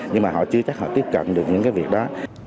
nhưng mà họ chưa chắc họ tiếp cận được những cái việc đó